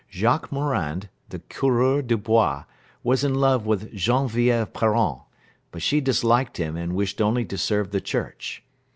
Jacques Morand, the coureur de bois, was in love with Genevieve Parent, but she disliked him and wished only to serve the church.